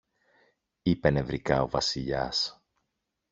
είπε νευρικά ο Βασιλιάς.